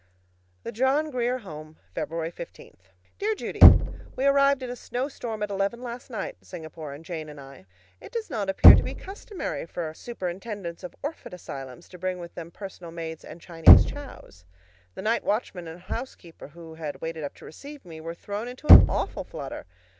THE JOHN GRIER HOME, February 15. Dear Judy: We arrived in a snowstorm at eleven last night, Singapore and Jane and I. It does not appear to be customary for superintendents of orphan asylums to bring with them personal maids and Chinese chows. The night watchman and housekeeper, who had waited up to receive me, were thrown into an awful flutter.